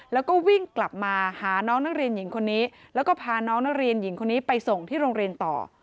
แล้วก็วิ่งกลับมาหาน้องนักเรียนหญิงคนนี้แล้วก็พาน้องนักเรียนหญิงคนนี้ไปส่งที่โรงเรียนต่อ